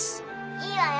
いいわよ。